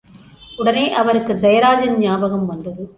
உடனே அவருக்கு ஜெயராஜின் ஞாபகம் வந்தது.